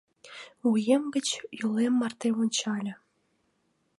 Вуем гыч йолем марте ончале.